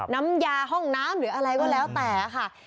น้ำยาห้องน้ำหรืออะไรก็แล้วแต่ค่ะ